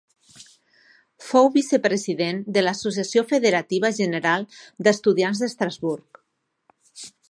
Fou vicepresident de l'Associació Federativa General d'Estudiants d'Estrasburg.